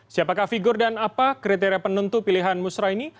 siapakah figur dan apa kriteria penentu pilihan musrah ini